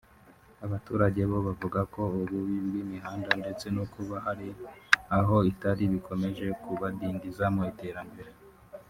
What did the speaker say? Abaturage bo bavuga ko ububi bw’imihanda ndetse no kuba hari aho itari bikomeje kubadindiza mu iterambere